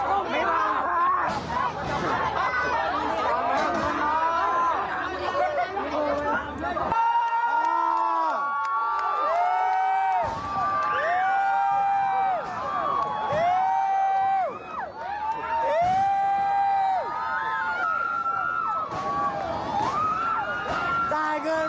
โอเคแล้วไว้